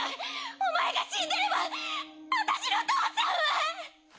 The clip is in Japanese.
お前が死んでれば私の父さんは。